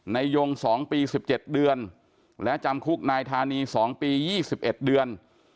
ยง๒ปี๑๗เดือนและจำคุกนายธานี๒ปี๒๑เดือน